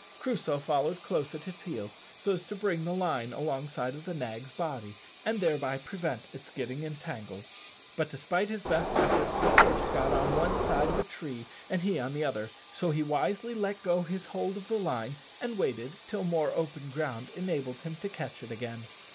Crusoe followed close at his heels, so as to bring the line alongside of the nag's body, and thereby prevent its getting entangled; but despite his best efforts the horse got on one side of a tree and he on the other, so he wisely let go his hold of the line, and waited till more open ground enabled him to catch it again.